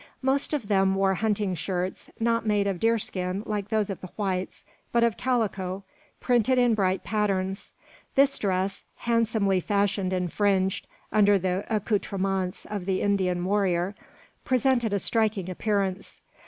Most of them wore hunting shirts, not made of deer skin like those of the whites, but of calico, printed in bright patterns. This dress, handsomely fashioned and fringed, under the accoutrements of the Indian warrior, presented a striking appearance.